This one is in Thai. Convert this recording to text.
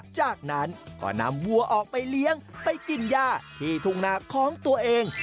จากนั้นก็นำวัวออกไปเลี้ยงไปกินย่าที่ทุ่งนาของตัวเอง